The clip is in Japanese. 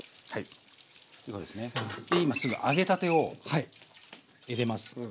今すぐ揚げたてを入れます。